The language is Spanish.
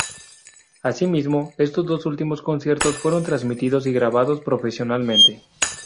Asimismo, estos dos últimos conciertos fueron transmitidos y grabados profesionalmente.